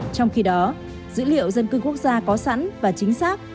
trong khi đó dữ liệu dân cư quốc gia có sẵn và chính xác